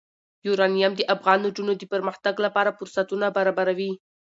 یورانیم د افغان نجونو د پرمختګ لپاره فرصتونه برابروي.